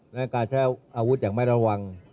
และการใช้อาวุธอย่างไม่ระวัง